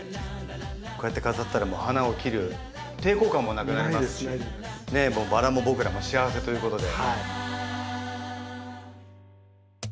こうやって飾ったら花を切る抵抗感もなくなりますしバラも僕らも幸せということで。